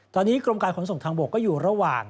ตอนนี้กรมการขนส่งทางบกก็อยู่ระหว่าง